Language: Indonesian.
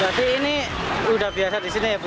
jadi ini udah biasa di sini ya bu